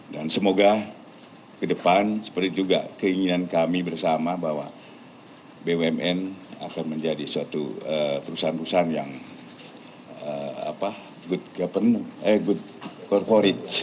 dan semoga kedepan seperti juga keinginan kami bersama bahwa bumn akan menjadi suatu perusahaan perusahaan yang good corporate